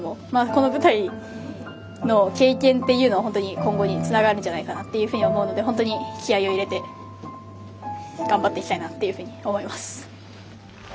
この舞台の経験っていうのは今後につながるんじゃないかなっていうふうに思うので本当に気合いを入れて頑張っていきたいなと思います。